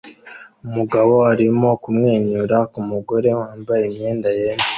Umugabo arimo kumwenyura ku mugore wambaye imyenda yera